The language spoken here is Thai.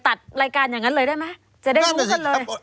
ตัดรายการอย่างนั้นเลยได้ไหมจะได้รู้กันเลย